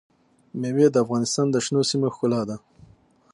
مېوې د افغانستان د شنو سیمو ښکلا ده.